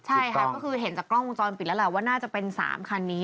ใช่ค่ะก็คือเห็นจากกล้องวงจรปิดแล้วแหละว่าน่าจะเป็น๓คันนี้